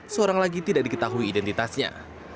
seorang lagi tidak diketahui identitasnya